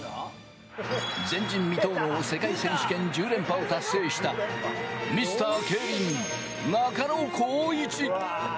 前人未到の世界選手権１０連覇を達成した、ミスター競輪・中野浩一。